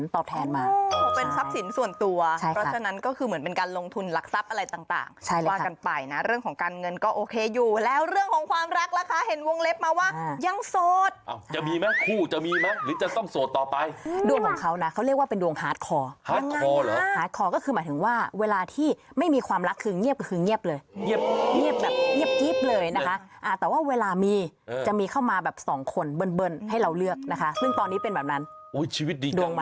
ต่างใช่เลยค่ะว่ากันไปน่ะเรื่องของการเงินก็โอเคอยู่แล้วเรื่องของความรักล่ะค่ะเห็นวงเล็บมาว่ายังโสดอ้าวจะมีมั้ยคู่จะมีมั้ยหรือจะต้องโสดต่อไปดวงของเขาน่ะเขาเรียกว่าเป็นดวงฮาร์ดคอร์ฮาร์ดคอร์เหรอฮาร์ดคอร์ก็คือหมายถึงว่าเวลาที่ไม่มีความรักคืองเงียบก็คืองเงียบเลยเงี